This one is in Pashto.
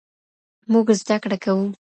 موږ زده کړه کوو